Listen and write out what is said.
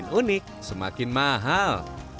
semakin unik semakin mahal